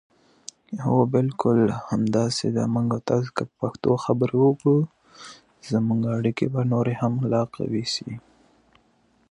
که موږ په پښتو خبرې وکړو، نو اړیکې به لا قوي سي.